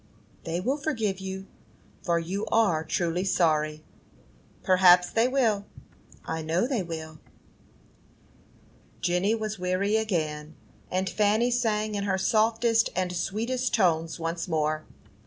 "They will forgive you, for you are truly sorry." "Perhaps they will." "I know they will." Jenny was weary again, and Fanny sang in her softest and sweetest tones once more.